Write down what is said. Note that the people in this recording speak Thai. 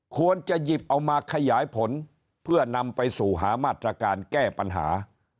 ควรจะหยิบเอามาขยายผลเพื่อนำไปสู่หามาตรการแก้ปัญหา